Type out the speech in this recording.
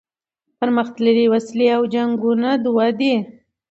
پرمختللي وسلې او جنګونه دوه دي.